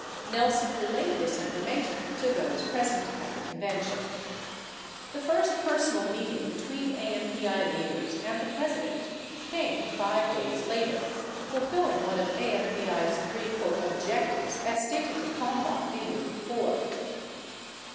Nelson relayed this information to those present at the convention. 52 The first personal meeting between AMPI leaders and the President came 5 days later, fulfilling one of AMPl's three "objectives" as stated to Kalmbach the year before.